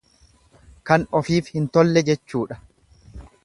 Kan ofiif hin tolle jechuudha.